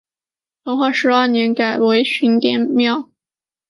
成化十二年改为寻甸府。